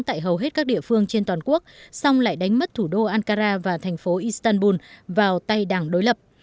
tại hầu hết các địa phương trên toàn quốc xong lại đánh mất thủ đô ankara và thành phố istanbul vào tay đảng đối lập